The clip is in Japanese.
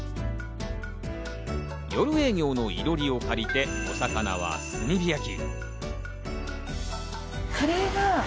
夜営業の囲炉裏を借りてお魚は炭火焼き。